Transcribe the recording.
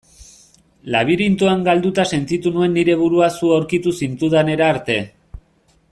Labirintoan galduta sentitu nuen nire burua zu aurkitu zintudanera arte.